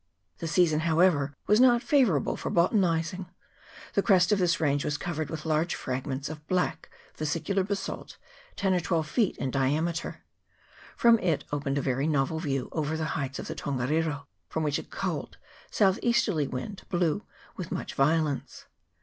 The season, however, was not favourable for bota nizing. The crest of this range was covered with large fragments of black vesicular basalt, ten or twelve feet in diameter. From it opened a very novel view over the heights of the Tongariro, from which a cold south easterly wind blew with much violence.